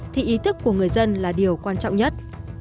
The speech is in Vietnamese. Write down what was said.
thì ý thức của người dân là điều quan trọng nhất